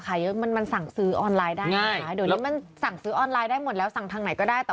เข้าโรงพยาบาลเลยบางที